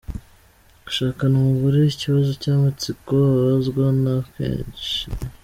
Gushaka umugore: Ikibazo cy’amatsiko abazwa na benshi:.